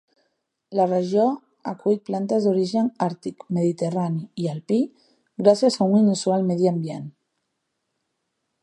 La regió acull plantes d'origen àrtic, mediterrani i alpí, gràcies a un inusual medi ambient.